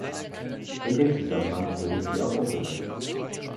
In dem Zusammenhang wurde sie auch umbenannt.